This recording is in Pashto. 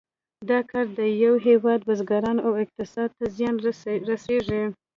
دا کار د یو هېواد بزګرانو او اقتصاد ته زیان رسیږي.